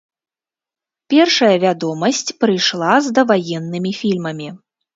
Першая вядомасць прыйшла з даваеннымі фільмамі.